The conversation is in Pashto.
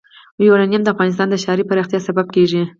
یورانیم د افغانستان د ښاري پراختیا سبب کېږي.